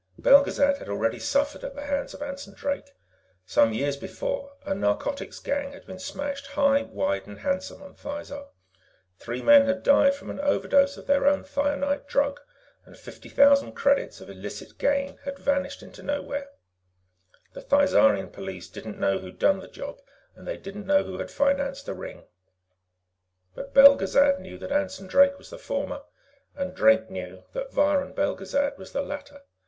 Belgezad had already suffered at the hands of Anson Drake. Some years before, a narcotics gang had been smashed high, wide, and handsome on Thizar. Three men had died from an overdose of their own thionite drug, and fifty thousand credits of illicit gain had vanished into nowhere. The Thizarian police didn't know who had done the job, and they didn't know who had financed the ring. But Belgezad knew that Anson Drake was the former, and Drake knew that Viron Belgezad was the latter.